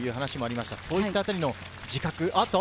そういったあたりの自覚。